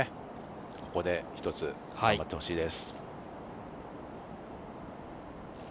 ここで１つふんばってほしいです。